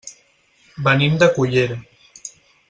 Venim de Cullera.